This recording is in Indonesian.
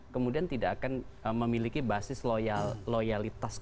kemudian tidak akan memiliki basis loyalitas